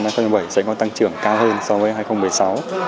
năm hai nghìn một mươi bảy sẽ có tăng trưởng cao hơn so với hai nghìn một mươi sáu